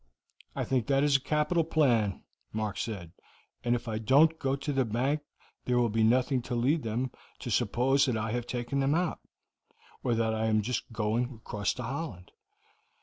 "I think that is a capital plan," Mark said, "and if I don't go to the bank there will be nothing to lead them to suppose that I have taken them out, or that I am just going across to Holland."